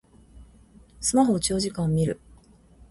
スマホを長時間みる